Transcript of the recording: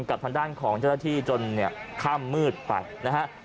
กับทางด้านของเจ้าหน้าที่จนเนี่ยข้ามมืดไปนะฮะ